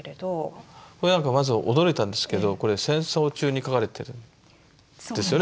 これなんかまず驚いたんですけどこれ戦争中に描かれてる。ですよね？